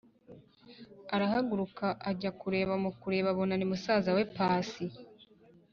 arahaguruka ajya kureba mukureba abona nimusaza we pasi